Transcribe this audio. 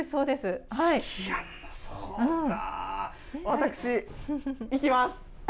私、いきます。